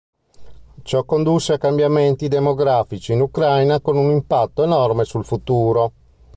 Ciò condusse a cambiamenti demografici in Ucraina con un impatto enorme sul futuro.